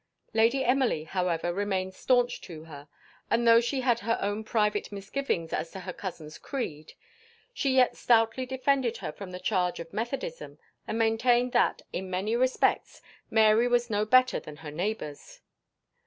Lady Emily, however, remained staunch to her; and though she had her own private misgivings as to her cousin's creed, she yet stoutly defended her from the charge of Methodism, and maintained that, in many respects, Mary was no better than her neighbours.